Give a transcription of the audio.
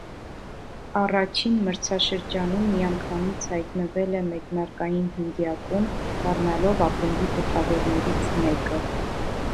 Առաջին մրցաշրջանում միանգամից հայտնվել է մեկնարկային հնգյակում՝ դառնալով ակումբի գլխավորներից մեկը։